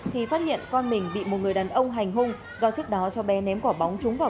thì phát hiện con mình bị một người đàn ông hành hung do trước đó cháu bé ném quả bóng trúng vào